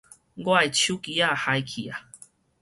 我的手機仔害去矣